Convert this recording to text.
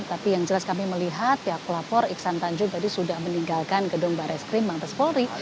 tapi yang jelas kami melihat pihak pelapor iksan tanjung tadi sudah meninggalkan gedung baris krim mabes polri